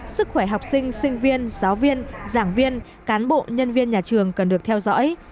sức khỏe học sinh sinh viên giáo viên giảng viên cán bộ nhân viên nhà trường cần được theo dõi